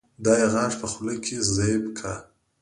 دا يې غاښ په خوله کې زېب کا